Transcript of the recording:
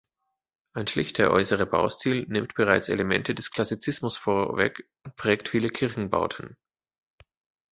Ein schlichter äußerer Baustil nimmt bereits Elemente des Klassizismus vorweg und prägt viele Kirchenbauten.